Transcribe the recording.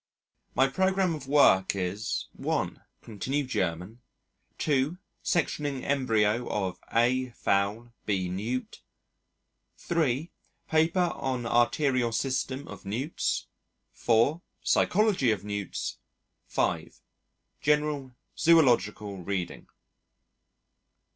My programme of work is: (1) Continue German. (2) Sectioning embryo of (a) Fowl, (b) Newt. (3) Paper on Arterial System of Newts. (4) Psychology of Newts. (5) General Zoological Reading.